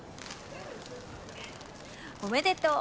おめでとう。